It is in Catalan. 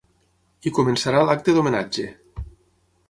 I començarà l’acte d’homenatge.